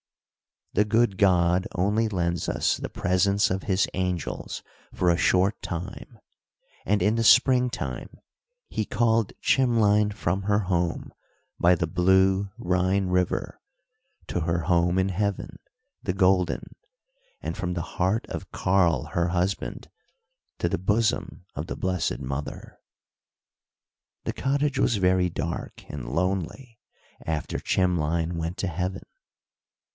The good God only lends us the presence of his angels for a short time, and in the spring time he called Chimlein from her home by the blue Rhine River, to her home in heaven, the golden, and from the heart of Karl, her husband, to the bosom of the blessed Mother. The cottage was very dark and lonely after Chimlein went to heaven.